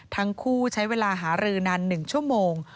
ทั้งคู่ใช้เวลาหารือนาน๑ชั่วโมง